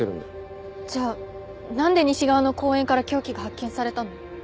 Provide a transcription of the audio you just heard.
じゃあなんで西側の公園から凶器が発見されたの？